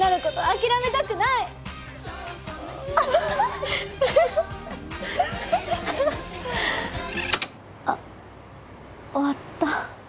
あっ終わった。